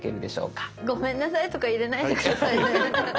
「ごめんなさい」とか入れないで下さいね。